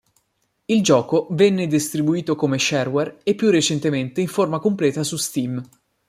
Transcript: Il gioco venne distribuito come shareware e più recentemente in forma completa su Steam.